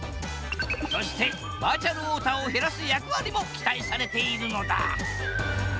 そしてバーチャルウォーターを減らす役割も期待されているのだ！